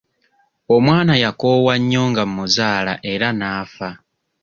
Omwana yakoowa nnyo nga mmuzaala era n'afa.